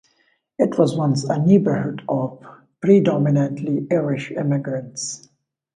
It was once a neighborhood of predominately Irish immigrants.